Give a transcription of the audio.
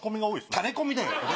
タレコミだよ。